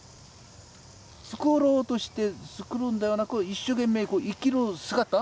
作ろうとして作るんではなく一生懸命生きる姿。